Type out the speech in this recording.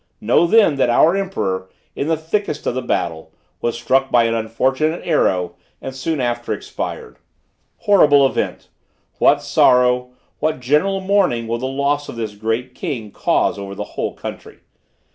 Know then, that our emperor, in the thickest of the battle, was struck by an unfortunate arrow, and soon after expired. Horrible event! What sorrow, what general mourning will the loss of this great king cause over the whole country!